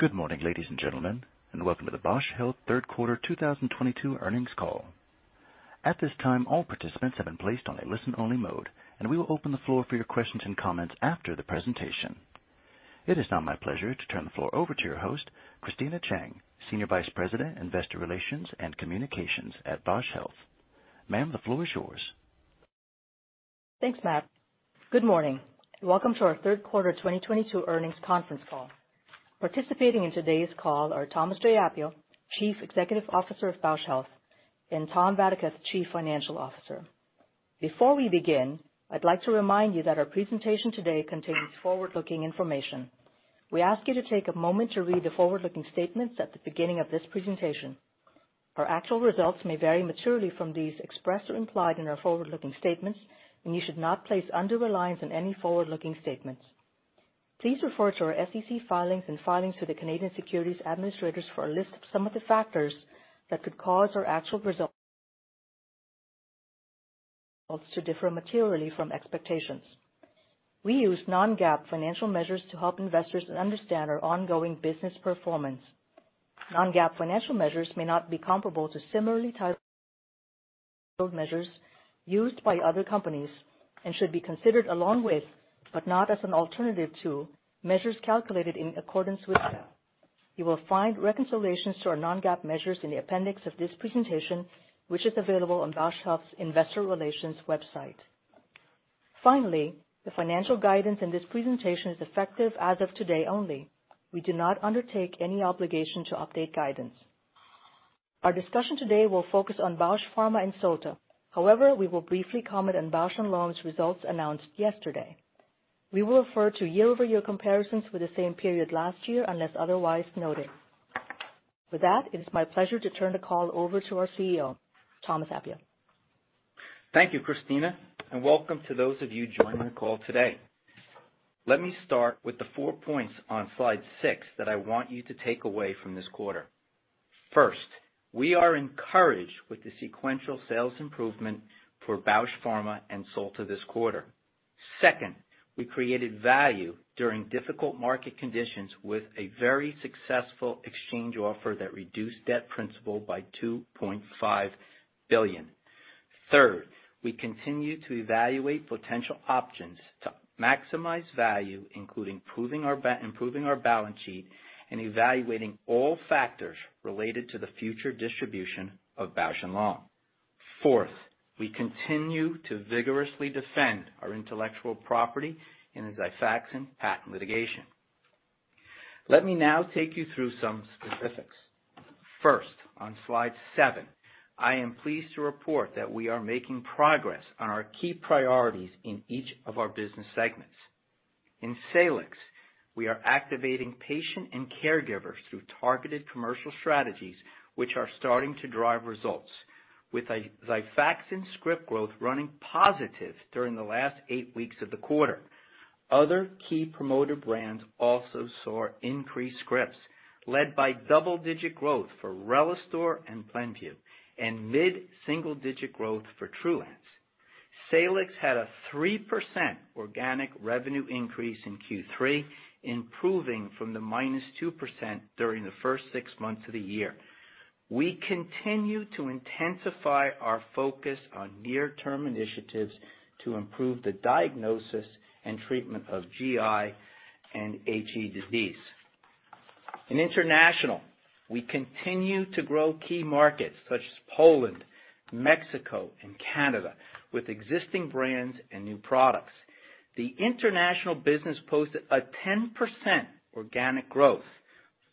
Good morning, ladies and gentlemen, and welcome to the Bausch Health Third Quarter 2022 Earnings Call. At this time, all participants have been placed on a listen-only mode, and we will open the floor for your questions and comments after the presentation. It is now my pleasure to turn the floor over to your host, Christina Cheng, Senior Vice President, Investor Relations and Communications at Bausch Health. Ma'am, the floor is yours. Thanks, Matt. Good morning and welcome to our third quarter 2022 earnings conference call. Participating in today's call are Thomas J. Appio, Chief Executive Officer of Bausch Health, and Tom Vadaketh, Chief Financial Officer. Before we begin, I'd like to remind you that our presentation today contains forward-looking information. We ask you to take a moment to read the forward-looking statements at the beginning of this presentation. Our actual results may vary materially from these expressed or implied in our forward-looking statements, and you should not place undue reliance on any forward-looking statements. Please refer to our SEC filings and filings to the Canadian Securities Administrators for a list of some of the factors that could cause our actual results to differ materially from expectations. We use non-GAAP financial measures to help investors understand our ongoing business performance. Non-GAAP financial measures may not be comparable to similarly titled measures used by other companies and should be considered along with, but not as an alternative to, measures calculated in accordance with GAAP. You will find reconciliations to our non-GAAP measures in the appendix of this presentation, which is available on Bausch Health's investor relations website. Finally, the financial guidance in this presentation is effective as of today only. We do not undertake any obligation to update guidance. Our discussion today will focus on Bausch Pharma and Salix. However, we will briefly comment on Bausch + Lomb's results announced yesterday. We will refer to year-over-year comparisons with the same period last year, unless otherwise noted. With that, it is my pleasure to turn the call over to our CEO, Thomas Appio. Thank you, Christina, and welcome to those of you joining the call today. Let me start with the four points on slide six that I want you to take away from this quarter. First, we are encouraged with the sequential sales improvement for Bausch Pharma and Salix this quarter. Second, we created value during difficult market conditions with a very successful exchange offer that reduced debt principal by $2.5 billion. Third, we continue to evaluate potential options to maximize value, including improving our balance sheet and evaluating all factors related to the future distribution of Bausch + Lomb. Fourth, we continue to vigorously defend our intellectual property in the Xifaxan patent litigation. Let me now take you through some specifics. First, on slide seven, I am pleased to report that we are making progress on our key priorities in each of our business segments. In Salix, we are activating patient and caregivers through targeted commercial strategies, which are starting to drive results, with Xifaxan script growth running positive during the last 8 weeks of the quarter. Other key promoter brands also saw increased scripts, led by double-digit growth for RELISTOR and PLENVU, and mid-single digit growth for TRULANCE. Salix had a 3% organic revenue increase in Q3, improving from the -2% during the first 6 months of the year. We continue to intensify our focus on near-term initiatives to improve the diagnosis and treatment of GI and HE disease. In international, we continue to grow key markets such as Poland, Mexico and Canada with existing brands and new products. The international business posted a 10% organic growth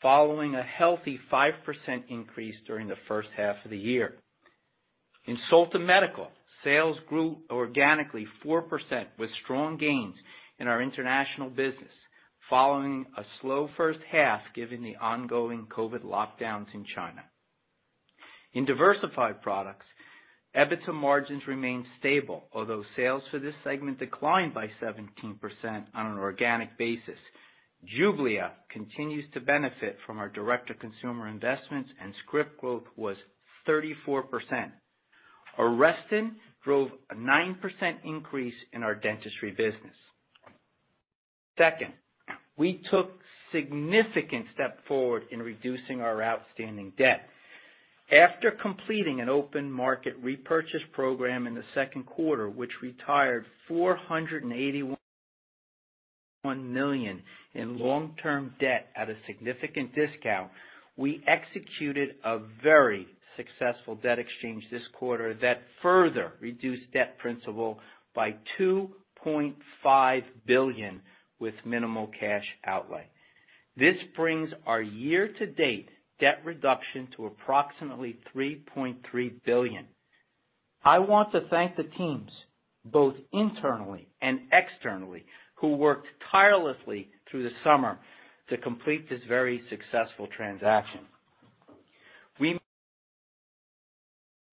following a healthy 5% increase during the first half of the year. In Solta Medical, sales grew organically 4% with strong gains in our international business, following a slow first half given the ongoing COVID lockdowns in China. In diversified products, EBITDA margins remained stable, although sales for this segment declined by 17% on an organic basis. JUBLIA continues to benefit from our direct-to-consumer investments, and script growth was 34%. ARESTIN drove a 9% increase in our dentistry business. Second, we took significant step forward in reducing our outstanding debt. After completing an open market repurchase program in the second quarter, which retired $481 million in long-term debt at a significant discount, we executed a very successful debt exchange this quarter that further reduced debt principal by $2.5 billion with minimal cash outlay. This brings our year-to-date debt reduction to approximately $3.3 billion. I want to thank the teams, both internally and externally, who worked tirelessly through the summer to complete this very successful transaction. We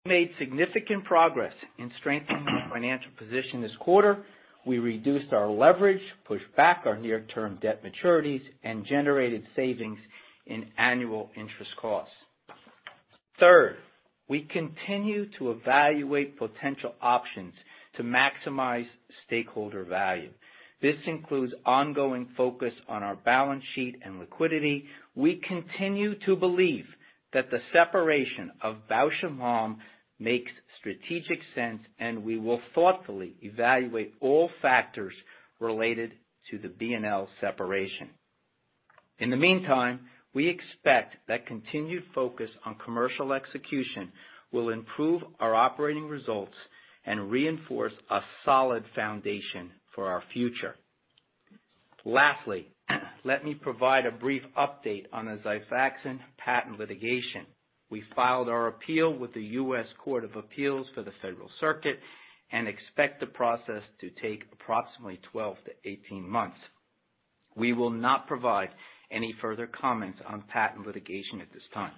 made significant progress in strengthening our financial position this quarter. We reduced our leverage, pushed back our near-term debt maturities, and generated savings in annual interest costs. Third, we continue to evaluate potential options to maximize stakeholder value. This includes ongoing focus on our balance sheet and liquidity. We continue to believe that the separation of Bausch + Lomb makes strategic sense, and we will thoughtfully evaluate all factors related to the P&L separation. In the meantime, we expect that continued focus on commercial execution will improve our operating results and reinforce a solid foundation for our future. Lastly, let me provide a brief update on the Xifaxan patent litigation. We filed our appeal with the U.S. Court of Appeals for the Federal Circuit and expect the process to take approximately 12-18 months. We will not provide any further comments on patent litigation at this time.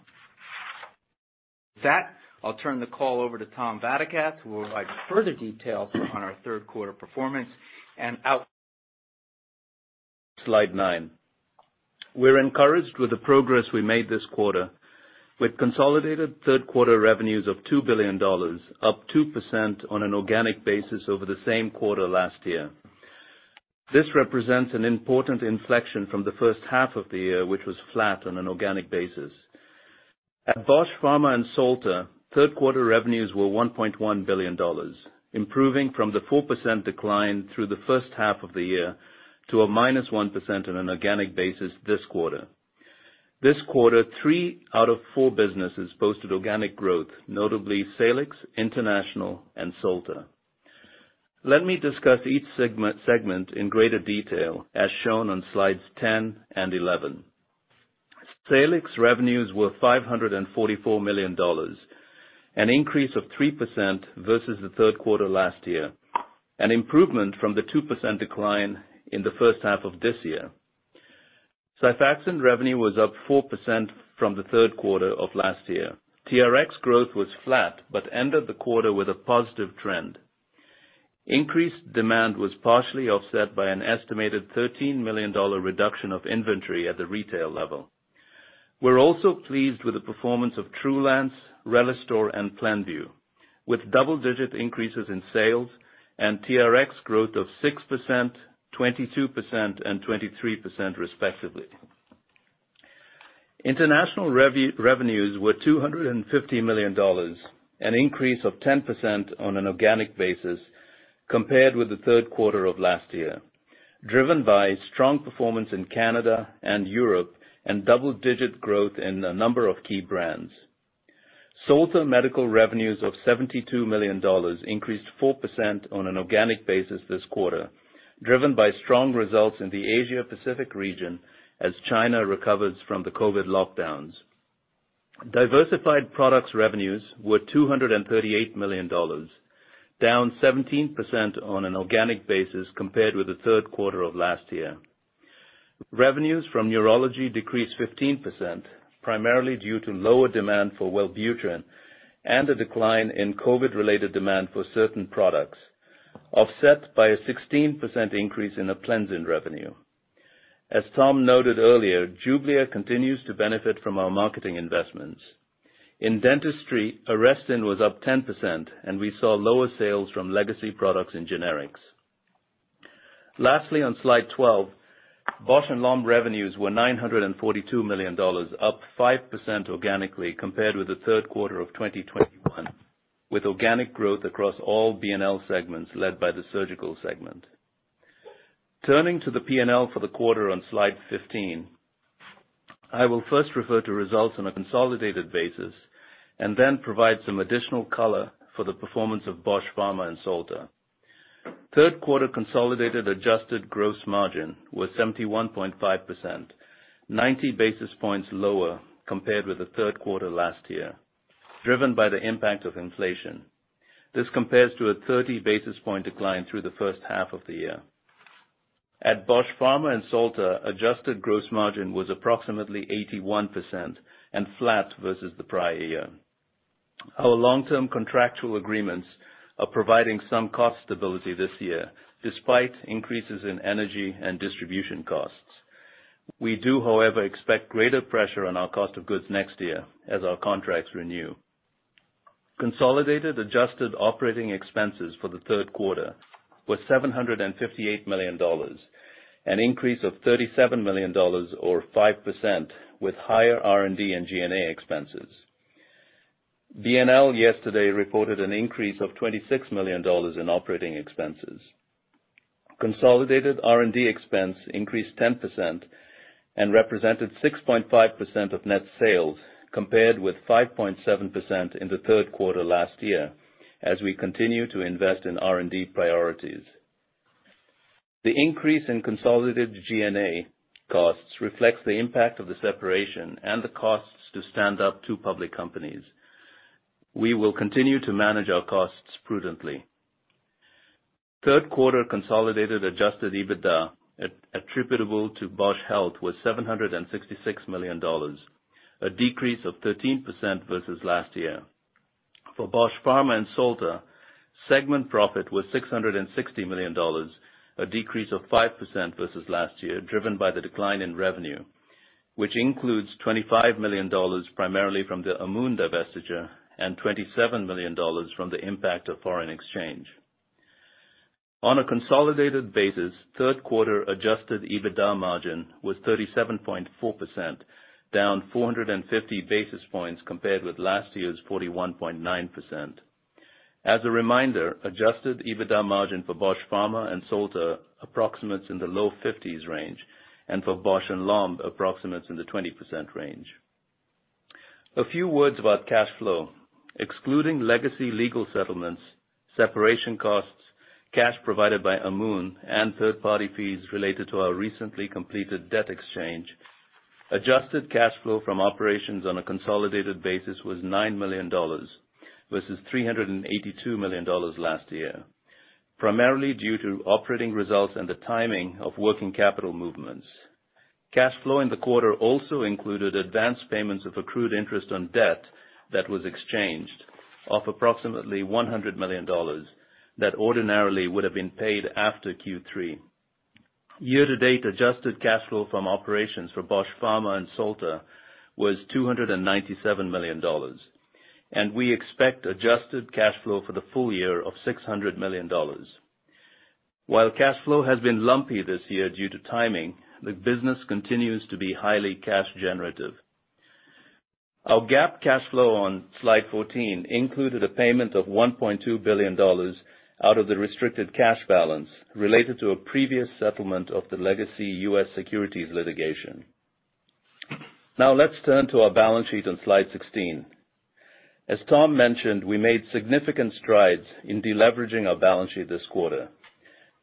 With that, I'll turn the call over to Tom Vadaketh, who will provide further details on our third quarter performance and out- Slide 9. We're encouraged with the progress we made this quarter. With consolidated third quarter revenues of $2 billion, up 2% on an organic basis over the same quarter last year. This represents an important inflection from the first half of the year, which was flat on an organic basis. At Bausch Pharma and Solta, third quarter revenues were $1.1 billion, improving from the 4% decline through the first half of the year to a -1% on an organic basis this quarter. This quarter, 3 out of 4 businesses posted organic growth, notably Salix, International, and Solta. Let me discuss each segment in greater detail as shown on slides 10 and 11. Salix revenues were $544 million, an increase of 3% versus the third quarter last year, an improvement from the 2% decline in the first half of this year. Xifaxan revenue was up 4% from the third quarter of last year. TRX growth was flat, but ended the quarter with a positive trend. Increased demand was partially offset by an estimated $13 million reduction of inventory at the retail level. We're also pleased with the performance of TRULANCE, RELISTOR, and PLENVU, with double-digit increases in sales and TRX growth of 6%, 22%, and 23% respectively. International revenues were $250 million, an increase of 10% on an organic basis compared with the third quarter of last year, driven by strong performance in Canada and Europe and double-digit growth in a number of key brands. Solta Medical revenues of $72 million increased 4% on an organic basis this quarter, driven by strong results in the Asia-Pacific region as China recovers from the COVID lockdowns. Diversified products revenues were $238 million, down 17% on an organic basis compared with the third quarter of last year. Revenues from neurology decreased 15%, primarily due to lower demand for Wellbutrin and a decline in COVID-related demand for certain products, offset by a 16% increase in PLENVU revenue. As Tom noted earlier, JUBLIA continues to benefit from our marketing investments. In dentistry, ARESTIN was up 10%, and we saw lower sales from legacy products in generics. Lastly, on slide 12, Bausch + Lomb revenues were $942 million, up 5% organically compared with the third quarter of 2021, with organic growth across all P&L segments led by the surgical segment. Turning to the P&L for the quarter on slide 15, I will first refer to results on a consolidated basis and then provide some additional color for the performance of Bausch Pharma and Salix. Third quarter consolidated adjusted gross margin was 71.5%, 90 basis points lower compared with the third quarter last year, driven by the impact of inflation. This compares to a 30 basis point decline through the first half of the year. At Bausch Pharma and Salix, adjusted gross margin was approximately 81% and flat versus the prior year. Our long-term contractual agreements are providing some cost stability this year despite increases in energy and distribution costs. We do, however, expect greater pressure on our cost of goods next year as our contracts renew. Consolidated adjusted operating expenses for the third quarter was $758 million, an increase of $37 million or 5% with higher R&D and G&A expenses. P&L yesterday reported an increase of $26 million in operating expenses. Consolidated R&D expense increased 10% and represented 6.5% of net sales, compared with 5.7% in the third quarter last year as we continue to invest in R&D priorities. The increase in consolidated G&A costs reflects the impact of the separation and the costs to stand up two public companies. We will continue to manage our costs prudently. Third quarter consolidated adjusted EBITDA attributable to Bausch Health was $766 million, a decrease of 13% versus last year. For Bausch Pharma and Salix, segment profit was $660 million, a decrease of 5% versus last year, driven by the decline in revenue, which includes $25 million primarily from the Amoun divestiture and $27 million from the impact of foreign exchange. On a consolidated basis, third quarter adjusted EBITDA margin was 37.4%, down 450 basis points compared with last year's 41.9%. As a reminder, adjusted EBITDA margin for Bausch Pharma and Salix approximates in the low fifties range, and for Bausch + Lomb approximates in the 20% range. A few words about cash flow. Excluding legacy legal settlements, separation costs, cash provided by Amoun, and third-party fees related to our recently completed debt exchange, adjusted cash flow from operations on a consolidated basis was $9 million, versus $382 million last year, primarily due to operating results and the timing of working capital movements. Cash flow in the quarter also included advance payments of accrued interest on debt that was exchanged of approximately $100 million that ordinarily would have been paid after Q3. Year to date, adjusted cash flow from operations for Bausch Pharma and Salix was $297 million, and we expect adjusted cash flow for the full year of $600 million. While cash flow has been lumpy this year due to timing, the business continues to be highly cash generative. Our GAAP cash flow on slide 14 included a payment of $1.2 billion out of the restricted cash balance related to a previous settlement of the legacy U.S. securities litigation. Now let's turn to our balance sheet on slide 16. As Tom mentioned, we made significant strides in deleveraging our balance sheet this quarter.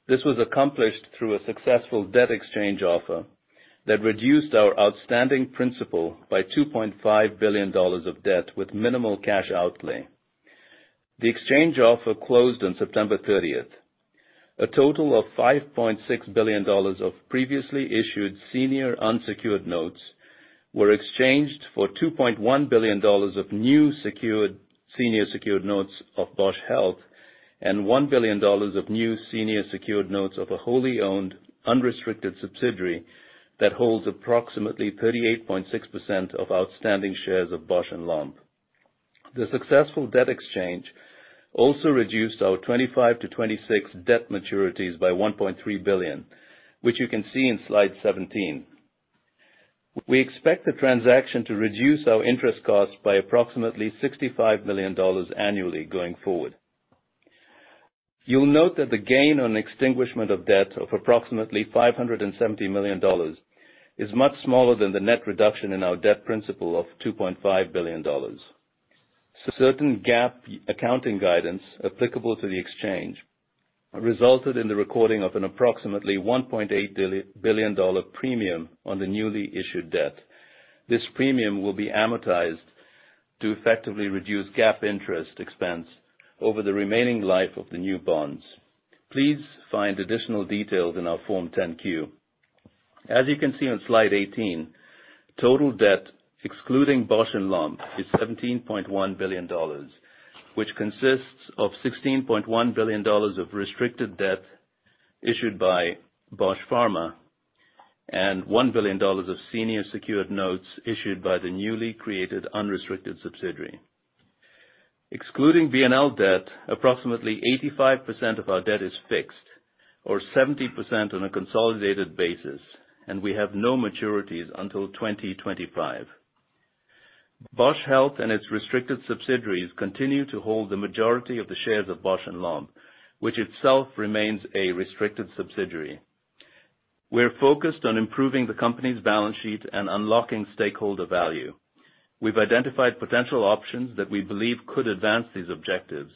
This was accomplished through a successful debt exchange offer that reduced our outstanding principal by $2.5 billion of debt with minimal cash outlay. The exchange offer closed on September thirtieth. A total of $5.6 billion of previously issued senior unsecured notes were exchanged for $2.1 billion of new secured senior secured notes of Bausch Health and $1 billion of new senior secured notes of a wholly owned, unrestricted subsidiary that holds approximately 38.6% of outstanding shares of Bausch + Lomb. The successful debt exchange also reduced our 2025-2026 debt maturities by $1.3 billion, which you can see in slide 17. We expect the transaction to reduce our interest costs by approximately $65 million annually going forward. You'll note that the gain on extinguishment of debt of approximately $570 million is much smaller than the net reduction in our debt principal of $2.5 billion. Certain GAAP accounting guidance applicable to the exchange resulted in the recording of an approximately $1.8 billion premium on the newly issued debt. This premium will be amortized to effectively reduce GAAP interest expense over the remaining life of the new bonds. Please find additional details in our Form 10-Q. As you can see on slide 18, total debt excluding Bausch + Lomb is $17.1 billion, which consists of $16.1 billion of restricted debt issued by Bausch Pharma and $1 billion of senior secured notes issued by the newly created unrestricted subsidiary. Excluding Bausch + Lomb debt, approximately 85% of our debt is fixed, or 70% on a consolidated basis, and we have no maturities until 2025. Bausch Health and its restricted subsidiaries continue to hold the majority of the shares of Bausch + Lomb, which itself remains a restricted subsidiary. We're focused on improving the company's balance sheet and unlocking stakeholder value. We've identified potential options that we believe could advance these objectives.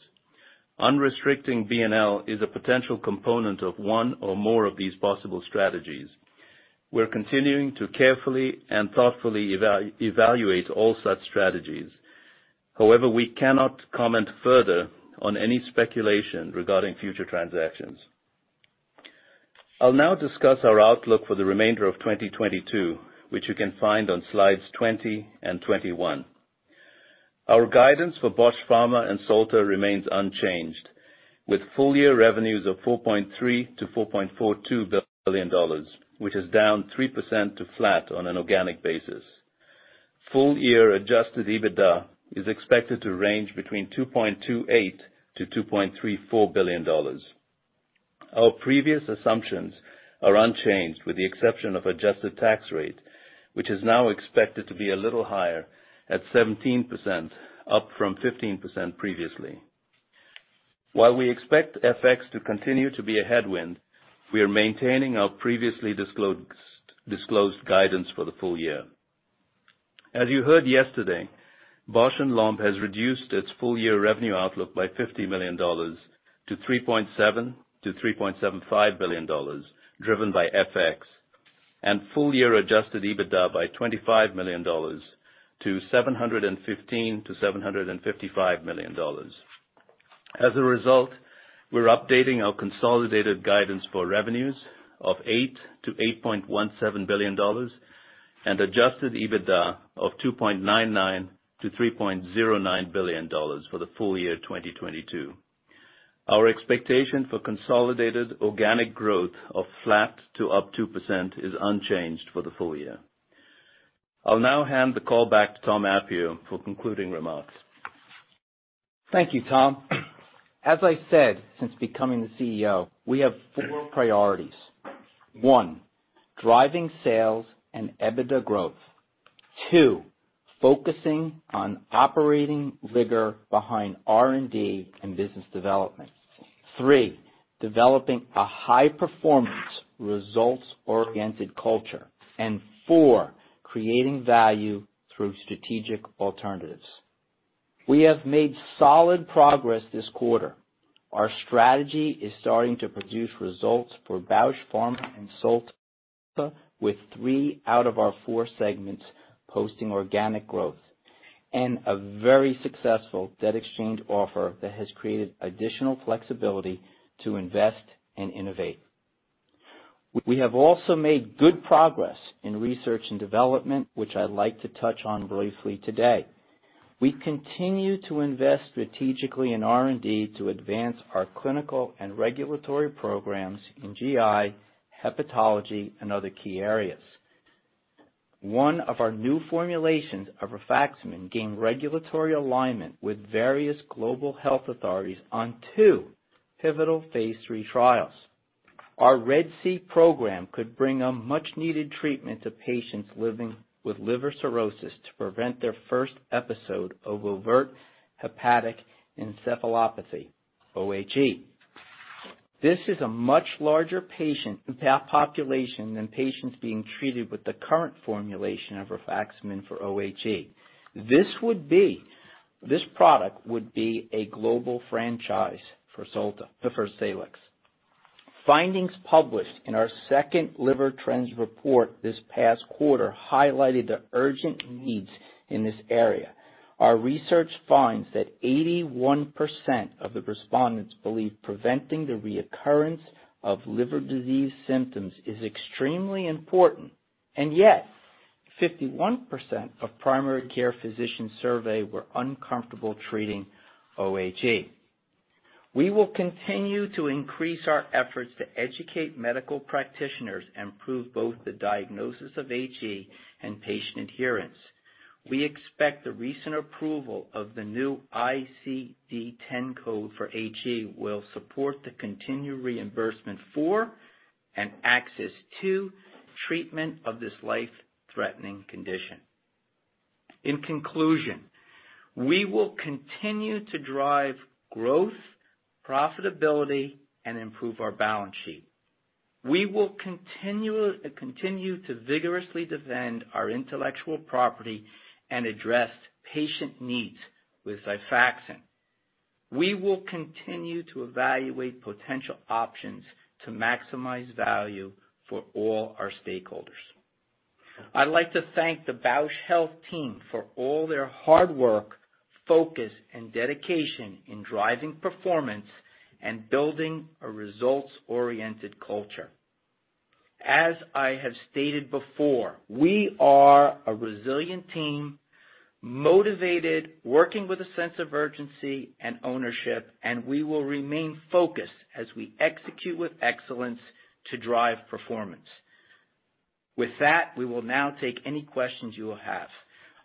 Unrestricting P&L is a potential component of one or more of these possible strategies. We're continuing to carefully and thoughtfully evaluate all such strategies. However, we cannot comment further on any speculation regarding future transactions. I'll now discuss our outlook for the remainder of 2022, which you can find on slides 20 and 21. Our guidance for Bausch Pharma and Salix remains unchanged, with full year revenues of $4.3 billion-$4.42 billion, which is down 3% to flat on an organic basis. Full year adjusted EBITDA is expected to range between $2.28 billion-$2.34 billion. Our previous assumptions are unchanged, with the exception of adjusted tax rate, which is now expected to be a little higher at 17%, up from 15% previously. While we expect FX to continue to be a headwind, we are maintaining our previously disclosed guidance for the full year. As you heard yesterday, Bausch + Lomb has reduced its full year revenue outlook by $50 million to $3.7-$3.75 billion, driven by FX, and full year adjusted EBITDA by $25 million to $715-$755 million. We're updating our consolidated guidance for revenues of $8-$8.17 billion and adjusted EBITDA of $2.99-$3.09 billion for the full year 2022. Our expectation for consolidated organic growth of flat to up 2% is unchanged for the full year. I'll now hand the call back to Tom Appio for concluding remarks. Thank you, Tom. As I said, since becoming the CEO, we have four priorities. One, driving sales and EBITDA growth. Two, focusing on operating rigor behind R&D and business development. Three, developing a high-performance results-oriented culture. And four, creating value through strategic alternatives. We have made solid progress this quarter. Our strategy is starting to produce results for Bausch Pharma and Salix with three out of our four segments posting organic growth and a very successful debt exchange offer that has created additional flexibility to invest and innovate. We have also made good progress in research and development, which I'd like to touch on briefly today. We continue to invest strategically in R&D to advance our clinical and regulatory programs in GI, hepatology, and other key areas. One of our new formulations of rifaximin gained regulatory alignment with various global health authorities on two pivotal phase three trials. Our RED-C program could bring a much-needed treatment to patients living with liver cirrhosis to prevent their first episode of overt hepatic encephalopathy, OHE. This is a much larger patient population than patients being treated with the current formulation of rifaximin for OHE. This product would be a global franchise for Salix. Findings published in our second Liver Trends report this past quarter highlighted the urgent needs in this area. Our research finds that 81% of the respondents believe preventing the recurrence of liver disease symptoms is extremely important, and yet 51% of primary care physicians surveyed were uncomfortable treating OHE. We will continue to increase our efforts to educate medical practitioners, improve both the diagnosis of HE and patient adherence. We expect the recent approval of the new ICD-10 code for HE will support the continued reimbursement for and access to treatment of this life-threatening condition. In conclusion, we will continue to drive growth, profitability, and improve our balance sheet. We will continue to vigorously defend our intellectual property and address patient needs with Xifaxan. We will continue to evaluate potential options to maximize value for all our stakeholders. I'd like to thank the Bausch Health team for all their hard work, focus, and dedication in driving performance and building a results-oriented culture. As I have stated before, we are a resilient team, motivated, working with a sense of urgency and ownership, and we will remain focused as we execute with excellence to drive performance. With that, we will now take any questions you have.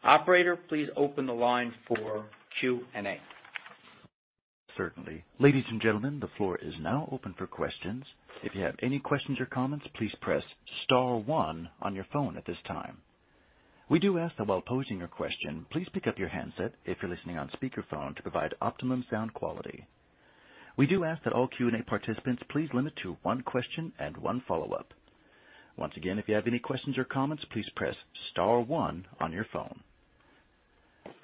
Operator, please open the line for Q&A. Certainly. Ladies and gentlemen, the floor is now open for questions. If you have any questions or comments, please press star one on your phone at this time. We do ask that while posing your question, please pick up your handset if you're listening on speakerphone to provide optimum sound quality. We do ask that all Q&A participants please limit to one question and one follow-up. Once again, if you have any questions or comments, please press star one on your phone.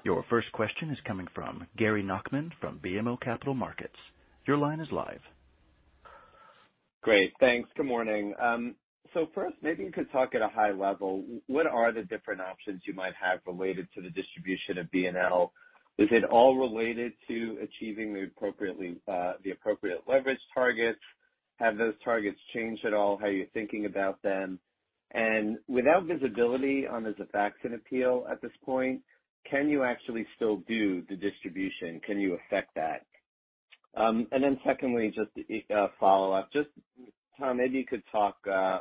Your first question is coming from Gary Nachman from BMO Capital Markets. Your line is live. Great. Thanks. Good morning. So first, maybe you could talk at a high level, what are the different options you might have related to the distribution of P&L? Is it all related to achieving the appropriate leverage targets? Have those targets changed at all how you're thinking about them? And without visibility on the Xifaxan appeal at this point, can you actually still do the distribution? Can you affect that? And then secondly, just follow-up. Just, Tom, maybe you could talk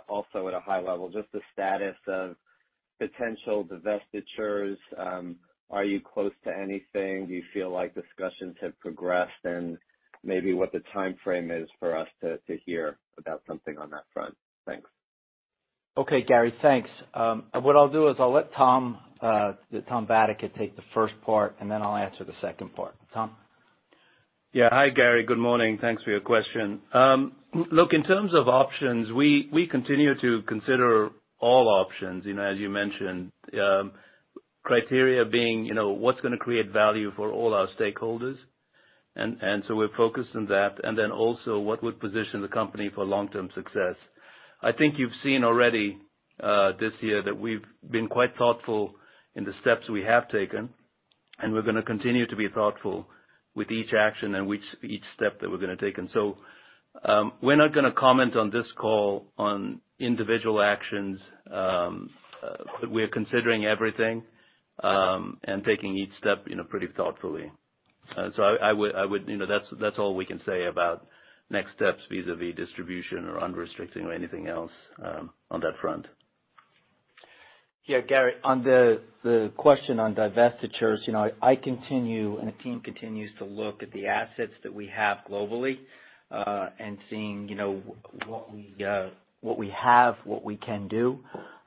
also at a high level, just the status of potential divestitures. Are you close to anything? Do you feel like discussions have progressed and maybe what the timeframe is for us to hear about something on that front? Thanks. Okay, Gary. Thanks. What I'll do is I'll let Tom Vadaketh take the first part, and then I'll answer the second part. Tom? Yeah. Hi, Gary. Good morning. Thanks for your question. Look, in terms of options, we continue to consider all options, you know, as you mentioned, criteria being, you know, what's gonna create value for all our stakeholders. We're focused on that. What would position the company for long-term success. I think you've seen already this year that we've been quite thoughtful in the steps we have taken, and we're gonna continue to be thoughtful with each action and each step that we're gonna take. We're not gonna comment on this call on individual actions, but we are considering everything, and taking each step, you know, pretty thoughtfully. You know, that's all we can say about next steps vis-à-vis distribution or unrestricting or anything else, on that front. Yeah, Gary, on the question on divestitures, you know, I continue, and the team continues to look at the assets that we have globally, and seeing, you know, what we have, what we can do.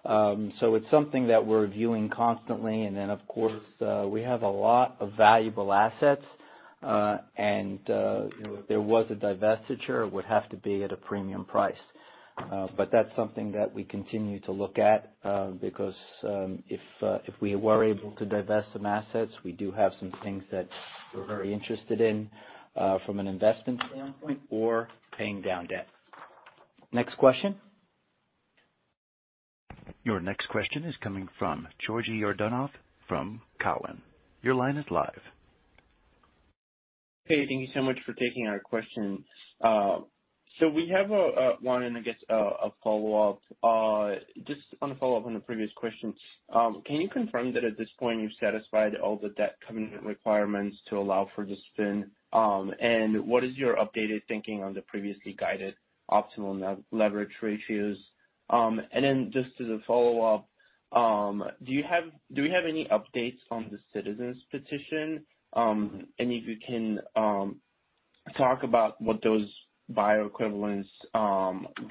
It's something that we're reviewing constantly. Of course, we have a lot of valuable assets. You know, if there was a divestiture, it would have to be at a premium price. That's something that we continue to look at because if we were able to divest some assets, we do have some things that we're very interested in from an investment standpoint or paying down debt. Next question. Your next question is coming from Georgi Yordanov from Cowen. Your line is live. Hey, thank you so much for taking our question. So we have one, and I guess a follow-up. Just on a follow-up on the previous question. Can you confirm that at this point you've satisfied all the debt covenant requirements to allow for the spin? And what is your updated thinking on the previously guided optimal leverage ratios? And then just as a follow-up, do we have any updates on the citizen petition? And if you can talk about what those bioequivalence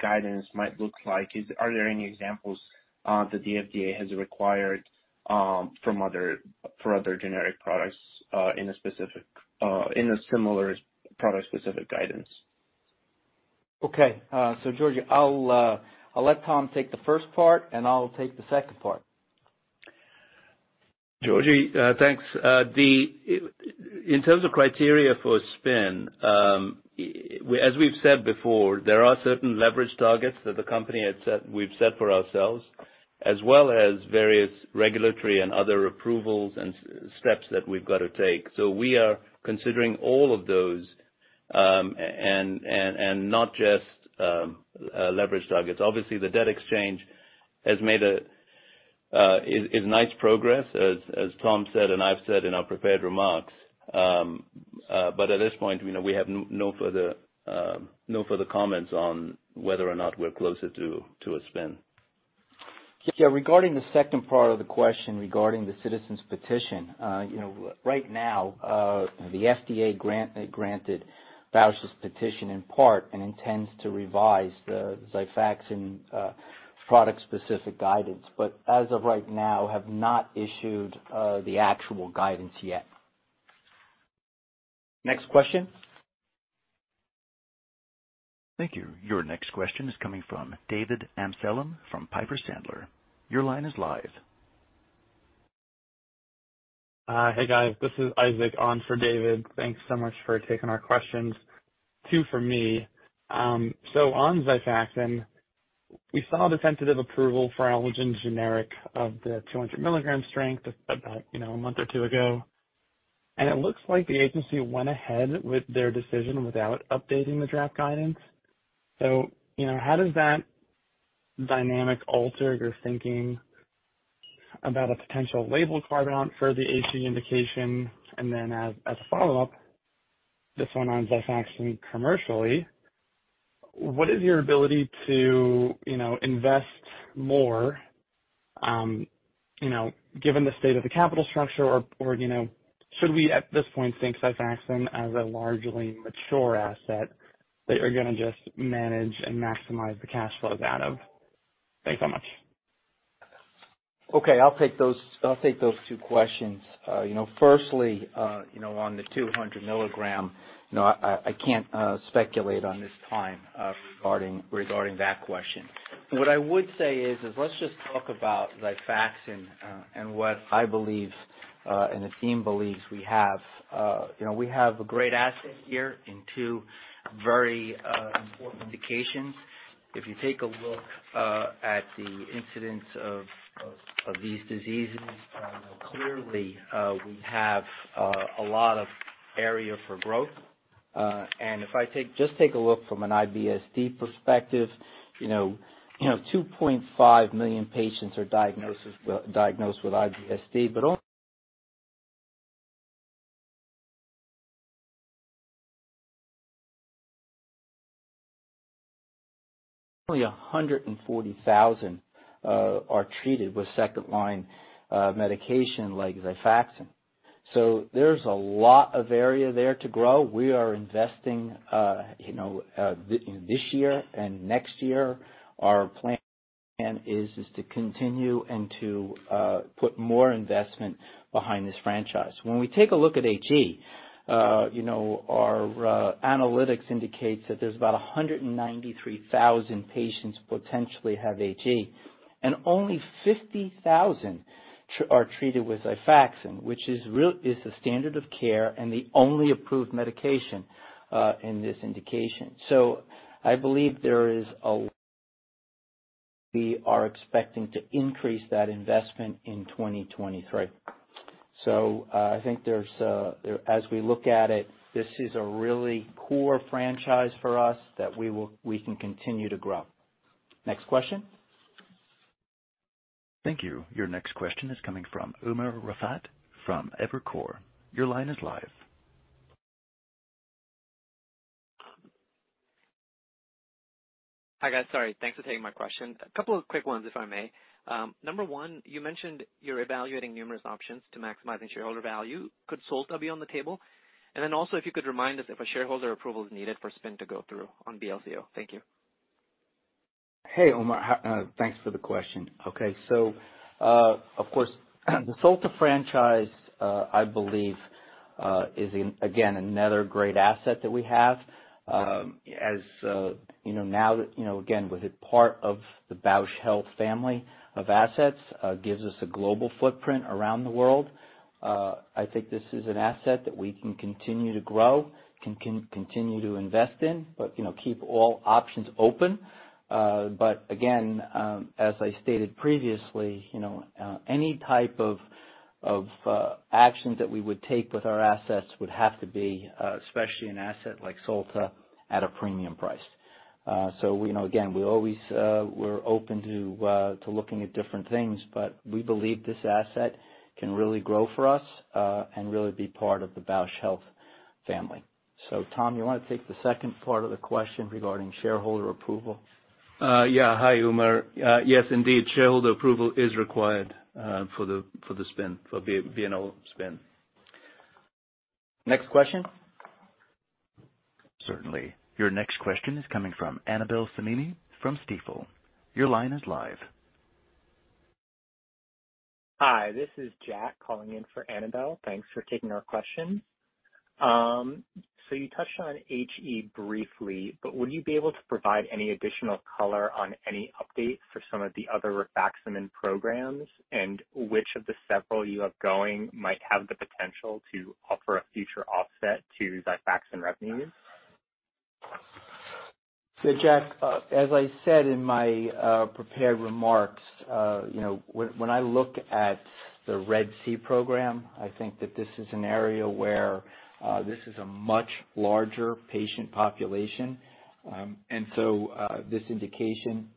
guidance might look like. Are there any examples that the FDA has required for other generic products in a specific in a similar product-specific guidance? Okay. Georgi, I'll let Tom take the first part, and I'll take the second part. Georgi, thanks. In terms of criteria for spin, as we've said before, there are certain leverage targets that the company had set, we've set for ourselves, as well as various regulatory and other approvals and steps that we've got to take. We are considering all of those, and not just leverage targets. Obviously, the debt exchange has made nice progress, as Tom said and I've said in our prepared remarks. At this point, you know, we have no further comments on whether or not we're closer to a spin. Regarding the second part of the question, regarding the citizen petition. You know, right now, the FDA granted Bausch's petition in part and intends to revise the Xifaxan product-specific guidance, but as of right now, have not issued the actual guidance yet. Next question. Thank you. Your next question is coming from David Amsellem from Piper Sandler. Your line is live. Hey, guys. This is Isaac on for David. Thanks so much for taking our questions. Two for me. On Xifaxan, we saw the tentative approval for Alvogen's generic of the 200 milligram strength about, you know, a month or two ago. It looks like the agency went ahead with their decision without updating the draft guidance. How does that dynamic alter your thinking about a potential label carve-out for the HE indication? As a follow-up, this one on Xifaxan commercially, what is your ability to, you know, invest more, you know, given the state of the capital structure or, you know, should we at this point think Xifaxan as a largely mature asset that you're gonna just manage and maximize the cash flows out of? Thanks so much. Okay. I'll take those two questions. First, you know, on the 200 milligram, you know, I can't speculate at this time regarding that question. What I would say is, let's just talk about Xifaxan and what I believe and the team believes we have. You know, we have a great asset here in two very important indications. If you take a look at the incidence of these diseases, clearly we have a lot of area for growth. And if I just take a look from an IBS-D perspective, you know, 2.5 million patients are diagnosed with IBS-D, but only 140,000 are treated with second line medication like Xifaxan. There's a lot of area there to grow. We are investing, you know, this year and next year. Our plan is to continue and to put more investment behind this franchise. When we take a look at HE, you know, our analytics indicates that there's about 193,000 patients potentially have HE, and only 50,000 are treated with Xifaxan, which is the standard of care and the only approved medication in this indication. I believe there is. We are expecting to increase that investment in 2023. I think there's, as we look at it, this is a really core franchise for us that we can continue to grow. Next question. Thank you. Your next question is coming from Umer Raffat from Evercore. Your line is live. Hi, guys. Sorry. Thanks for taking my question. A couple of quick ones, if I may. Number one, you mentioned you're evaluating numerous options to maximizing shareholder value. Could Solta be on the table? And then also, if you could remind us if a shareholder approval is needed for spin to go through on BLCO. Thank you. Hey, Umer. Thanks for the question. Okay. Of course, the Solta franchise, I believe, is again another great asset that we have. As you know, now that, you know, again, with it part of the Bausch Health family of assets, gives us a global footprint around the world. I think this is an asset that we can continue to grow, continue to invest in, but you know, keep all options open. As I stated previously, you know, any type of actions that we would take with our assets would have to be, especially an asset like Solta, at a premium price. You know, again, we always, we're open to looking at different things, but we believe this asset can really grow for us, and really be part of the Bausch Health family. Tom, you wanna take the second part of the question regarding shareholder approval? Yeah. Hi, Umer. Yes, indeed. Shareholder approval is required for the BLCO spin. Next question. Certainly. Your next question is coming from Annabel Samimy from Stifel. Your line is live. Hi, this is Jack calling in for Annabel. Thanks for taking our question. You touched on HE briefly, but would you be able to provide any additional color on any update for some of the other rifaximin programs and which of the several you have going might have the potential to offer a future offset to Xifaxan revenues? Jack, as I said in my prepared remarks, you know, when I look at the RED-C program, I think that this is an area where this is a much larger patient population. This indication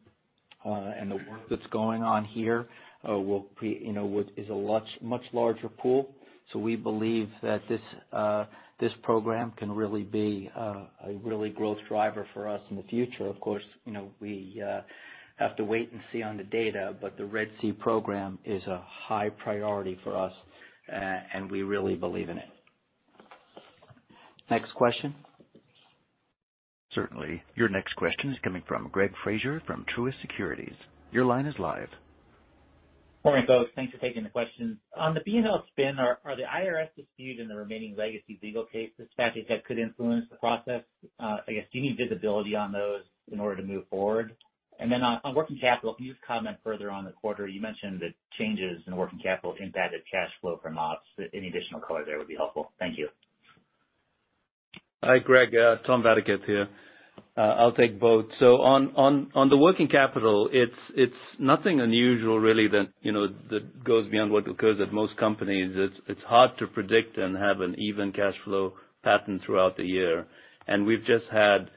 and the work that's going on here will be, you know, what is a much larger pool. We believe that this program can really be a real growth driver for us in the future. Of course, you know, we have to wait and see on the data, but the RED-C program is a high priority for us and we really believe in it. Next question. Certainly. Your next question is coming from Greg Fraser from Truist Securities. Your line is live. Morning, folks. Thanks for taking the question. On the BLCO spin, are the IRS dispute and the remaining legacy legal cases factors that could influence the process? I guess, do you need visibility on those in order to move forward? On working capital, can you just comment further on the quarter? You mentioned that changes in working capital impacted cash flow from ops. Any additional color there would be helpful. Thank you. Hi, Greg. Tom Vadaketh here. I'll take both. On the working capital, it's nothing unusual really that you know that goes beyond what occurs at most companies. It's hard to predict and have an even cash flow pattern throughout the year. We've just had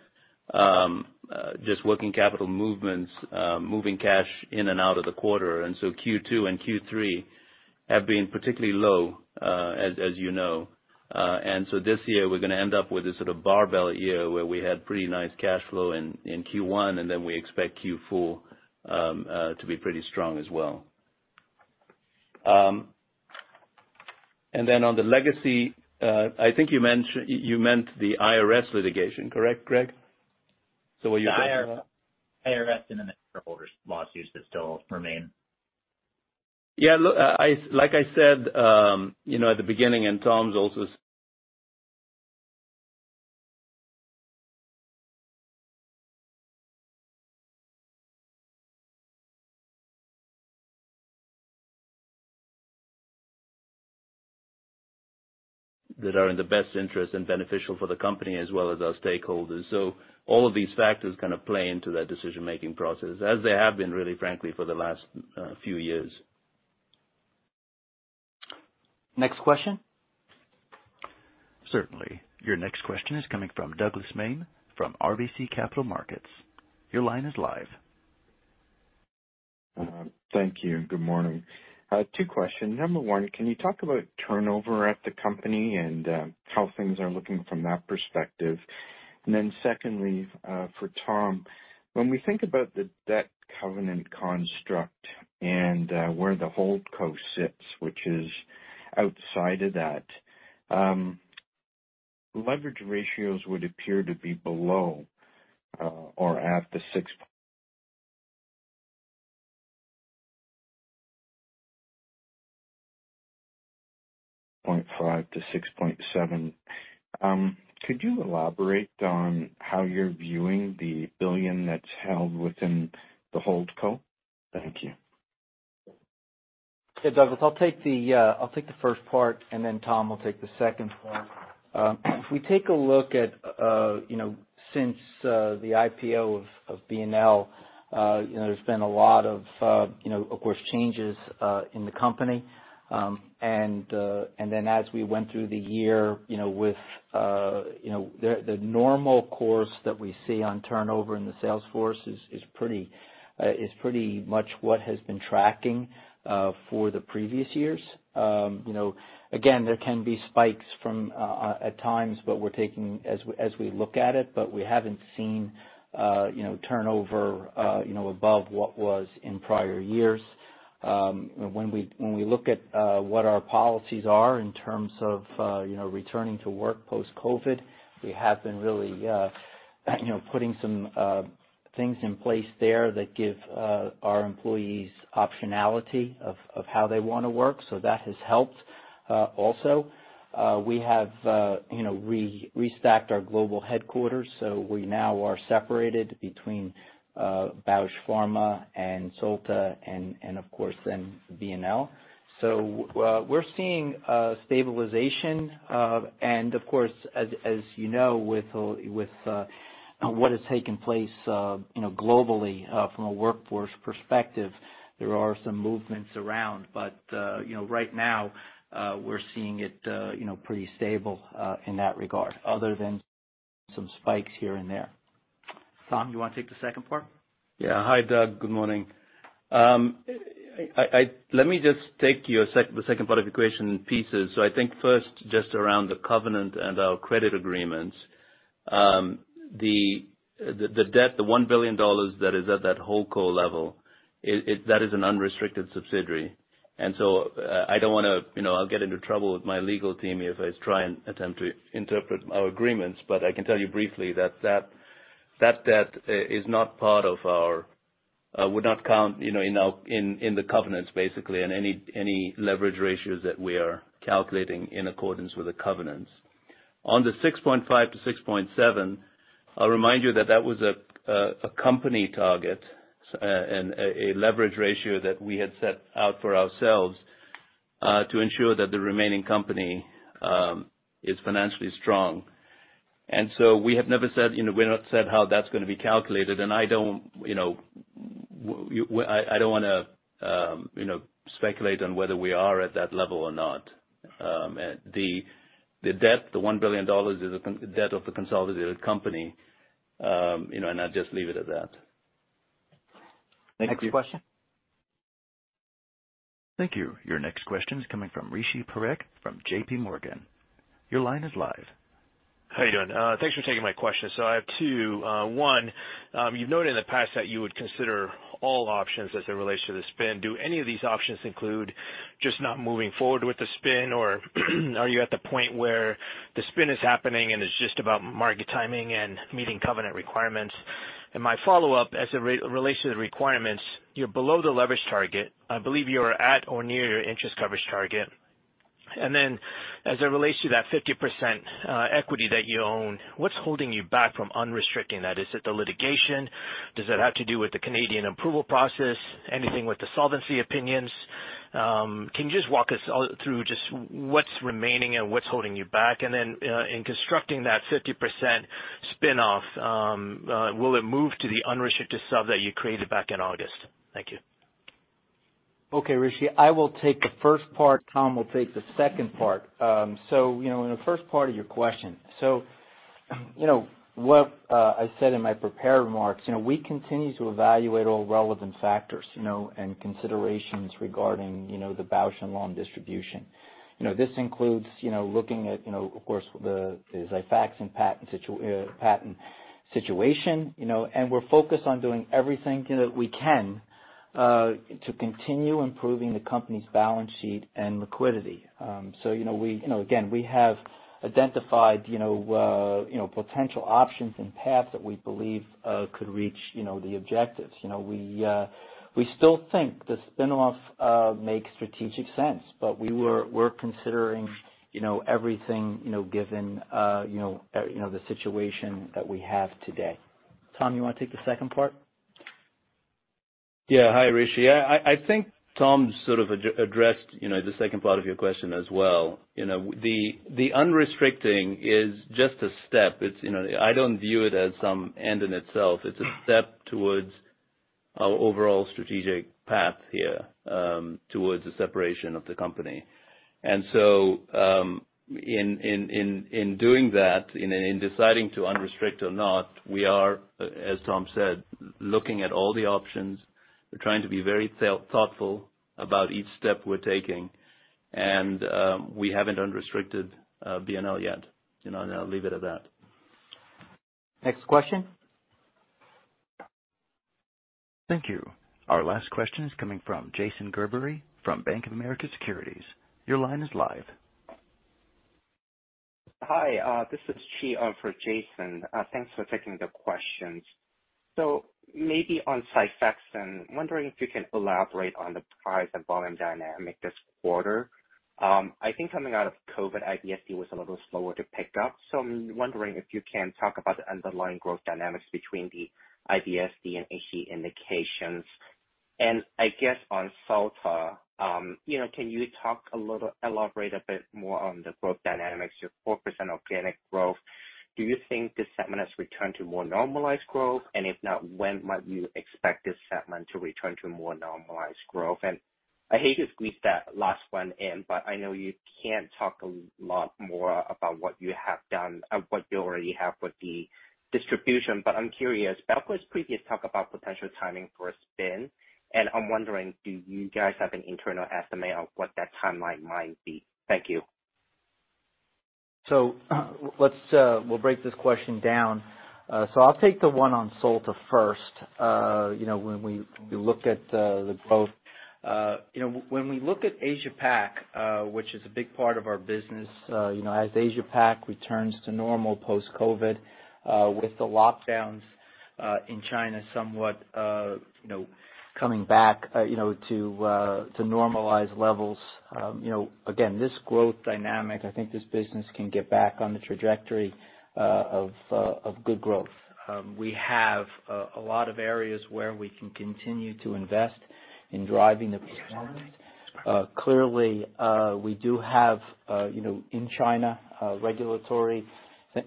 just working capital movements moving cash in and out of the quarter. Q2 and Q3 have been particularly low as you know. This year, we're gonna end up with a sort of barbell year where we had pretty nice cash flow in Q1, and then we expect Q4 to be pretty strong as well. On the legacy, I think you meant the IRS litigation, correct, Greg? So were you- The IRS and then the shareholders lawsuits that still remain. Yeah, look, like I said, you know, at the beginning, that are in the best interest and beneficial for the company as well as our stakeholders. All of these factors kind of play into that decision-making process as they have been really, frankly, for the last few years. Next question. Certainly. Your next question is coming from Doug Miehm from RBC Capital Markets. Your line is live. Thank you and good morning. Two questions. Number one, can you talk about turnover at the company and how things are looking from that perspective? Secondly, for Tom, when we think about the debt covenant construct and where the holdco sits, which is outside of that, leverage ratios would appear to be below or at the six. 0.5-6.7. Could you elaborate on how you're viewing the $1 billion that's held within the holdco? Thank you. Yeah, Douglas, I'll take the first part, and then Tom will take the second part. If we take a look at, you know, since the IPO of P&L, you know, there's been a lot of, you know, of course, changes in the company. As we went through the year, you know, with, you know, the normal course that we see on turnover in the sales force is pretty much what has been tracking for the previous years. You know, again, there can be spikes from time to time, but we're tracking as we look at it, but we haven't seen, you know, turnover, you know, above what was in prior years. When we look at what our policies are in terms of you know, returning to work post-COVID, we have been really you know, putting some things in place there that give our employees optionality of how they wanna work, so that has helped. Also, we have you know, restacked our global headquarters, so we now are separated between Bausch Pharma and Solta and of course, then P&L. We're seeing stabilization. And of course, as you know, with what has taken place you know, globally, from a workforce perspective, there are some movements around. You know, right now, we're seeing it you know, pretty stable in that regard other than some spikes here and there. Tom, you wanna take the second part? Yeah. Hi, Doug, good morning. Let me just take the second part of question in pieces. I think first, just around the covenant and our credit agreements, the debt, the $1 billion that is at that holdco level, that is an unrestricted subsidiary. I don't wanna, you know, I'll get into trouble with my legal team here if I try and attempt to interpret our agreements, but I can tell you briefly that that debt is not part of our would not count, you know, in our, in the covenants basically and any leverage ratios that we are calculating in accordance with the covenants. On the 6.5-6.7, I'll remind you that that was a company target and a leverage ratio that we had set out for ourselves to ensure that the remaining company is financially strong. We have never said, you know, we've not said how that's gonna be calculated, and I don't wanna, you know, speculate on whether we are at that level or not. The debt, the $1 billion is a debt of the consolidated company, and I'll just leave it at that. Next question. Thank you. Your next question is coming from Rishi Parekh from J.P. Morgan. Your line is live. How you doing? Thanks for taking my question. I have 2. 1, you've noted in the past that you would consider all options as it relates to the spin. Do any of these options include just not moving forward with the spin, or are you at the point where the spin is happening and it's just about market timing and meeting covenant requirements? My follow-up, as it relates to the requirements, you're below the leverage target. I believe you're at or near your interest coverage target. As it relates to that 50% equity that you own, what's holding you back from unrestricted that? Is it the litigation? Does it have to do with the Canadian approval process? Anything with the solvency opinions? Can you just walk us all through just what's remaining and what's holding you back? In constructing that 50% spin-off, will it move to the unrestricted sub that you created back in August? Thank you. Okay, Rishi, I will take the first part. Tom will take the second part. You know, in the first part of your question, you know, what I said in my prepared remarks, you know, we continue to evaluate all relevant factors, you know, and considerations regarding, you know, the Bausch + Lomb distribution. You know, this includes, you know, looking at, you know, of course, the Xifaxan patent situation. You know, and we're focused on doing everything that we can to continue improving the company's balance sheet and liquidity. You know, we, you know, again, we have identified, you know, potential options and paths that we believe could reach, you know, the objectives. You know, we still think the spin-off makes strategic sense, but we're considering, you know, everything, you know, given, you know, the situation that we have today. Tom, you wanna take the second part? Yeah. Hi, Rishi. I think Tom sort of addressed, you know, the second part of your question as well. You know, the unrestricting is just a step. It's, you know, I don't view it as some end in itself. It's a step towards our overall strategic path here, towards the separation of the company. In doing that, in deciding to unrestrict or not, we are, as Tom said, looking at all the options. We're trying to be very thoughtful about each step we're taking, and we haven't unrestricted P&L yet. You know, and I'll leave it at that. Next question. Thank you. Our last question is coming from Jason Gerberry from Bank of America Securities. Your line is live. Hi, this is Chimei Fong for Jason Gerberry. Thanks for taking the questions. Maybe on Xifaxan, wondering if you can elaborate on the price and volume dynamic this quarter. I think coming out of COVID, IBS-D was a little slower to pick up. I'm wondering if you can talk about the underlying growth dynamics between the IBS-D and HE indications. I guess on Solta, you know, can you elaborate a bit more on the growth dynamics, your 4% organic growth? Do you think this segment has returned to more normalized growth? If not, when might you expect this segment to return to more normalized growth? I hate to squeeze that last one in, but I know you can't talk a lot more about what you have done or what you already have with the distribution. I'm curious, BLCO's previous talk about potential timing for a spin, and I'm wondering, do you guys have an internal estimate of what that timeline might be? Thank you. We'll break this question down. I'll take the one on Solta first. You know, when we look at the growth, you know, when we look at Asia Pac, which is a big part of our business, you know, as Asia Pac returns to normal post-COVID, with the lockdowns in China somewhat, you know, coming back, you know, to normalize levels, you know, again, this growth dynamic, I think this business can get back on the trajectory of good growth. We have a lot of areas where we can continue to invest in driving the performance. Clearly, we do have, you know, in China, regulatory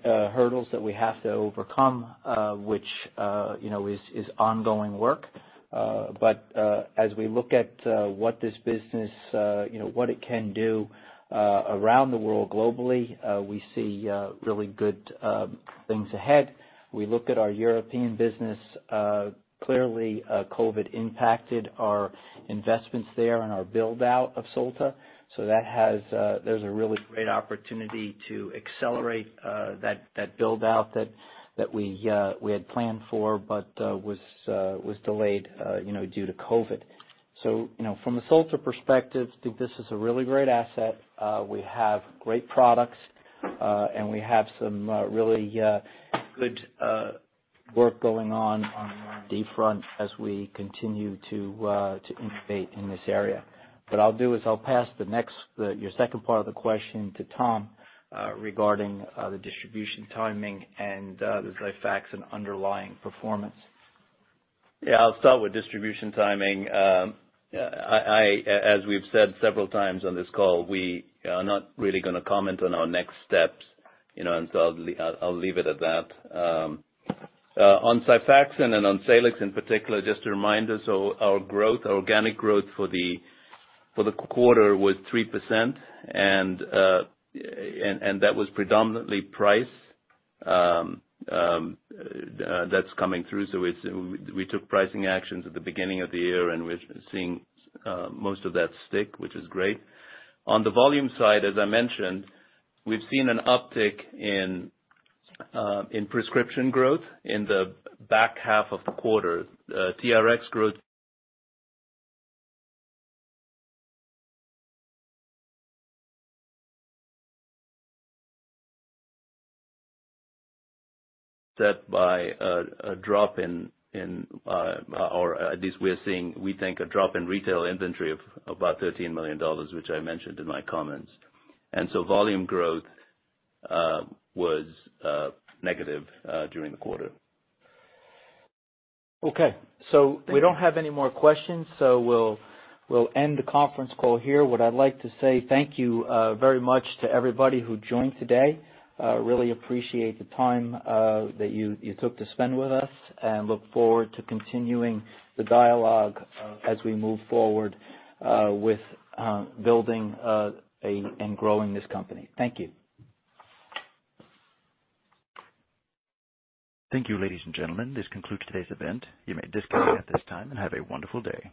hurdles that we have to overcome, which, you know, is ongoing work. As we look at you know what it can do around the world globally, we see really good things ahead. We look at our European business. Clearly, COVID impacted our investments there and our build-out of Solta. There's a really great opportunity to accelerate that build-out that we had planned for, but was delayed you know due to COVID. You know, from a Solta perspective, think this is a really great asset. We have great products, and we have some really good work going on the R&D front as we continue to innovate in this area. What I'll do is I'll pass your second part of the question to Tom regarding the distribution timing and the Xifaxan underlying performance. Yeah, I'll start with distribution timing. Yeah, as we've said several times on this call, we are not really gonna comment on our next steps, you know, and so I'll leave it at that. On Xifaxan and on Salix in particular, just a reminder, so our growth, our organic growth for the quarter was 3%, and that was predominantly price, that's coming through. So it's, we took pricing actions at the beginning of the year, and we're seeing most of that stick, which is great. On the volume side, as I mentioned, we've seen an uptick in prescription growth in the back half of the quarter. TRX growth set by a drop in or at least we're seeing, we think, a drop in retail inventory of about $13 million, which I mentioned in my comments. Volume growth was negative during the quarter. Okay. We don't have any more questions, so we'll end the conference call here. What I'd like to say thank you very much to everybody who joined today. Really appreciate the time that you took to spend with us, and look forward to continuing the dialogue as we move forward with building and growing this company. Thank you. Thank you, ladies and gentlemen. This concludes today's event. You may disconnect at this time and have a wonderful day.